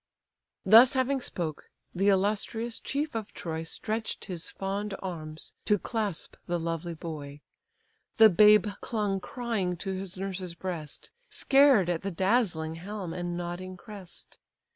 Thus having spoke, the illustrious chief of Troy Stretch'd his fond arms to clasp the lovely boy. The babe clung crying to his nurse's breast, Scared at the dazzling helm, and nodding crest.